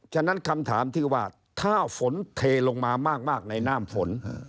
ฉะนั้นคำถามที่ว่าถ้าฝนเทลงมามากในน้ำฝน